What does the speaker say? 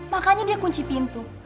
makanya dia kunci pintu